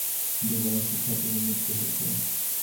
তখনো জানতেন না সড়ক দুর্ঘটনায় দুজন শিক্ষার্থীর মৃত্যু হয়েছে।